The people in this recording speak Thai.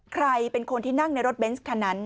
ใครเป็นคนที่นั่งในรถเบนส์คันนั้น